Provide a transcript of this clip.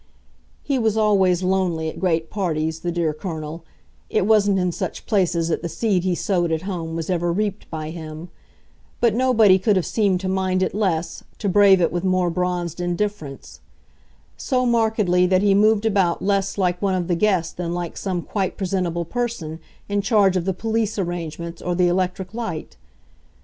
He was always lonely at great parties, the dear Colonel it wasn't in such places that the seed he sowed at home was ever reaped by him; but nobody could have seemed to mind it less, to brave it with more bronzed indifference; so markedly that he moved about less like one of the guests than like some quite presentable person in charge of the police arrangements or the electric light.